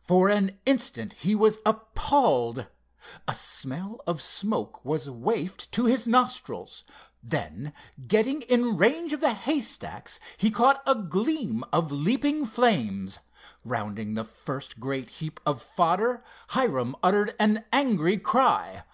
For an instant he was appalled. A smell of smoke was wafted to his nostrils. Then, getting in range of the haystacks, he caught a gleam of leaping flames. Rounding the first great heap of fodder, Hiram uttered an angry cry.